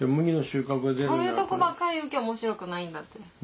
そういうとこばっかり言うけ面白くないんだって。